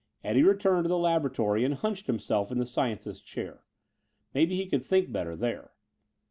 Eddie returned to the laboratory and hunched himself in the scientist's chair. Maybe he could think better here.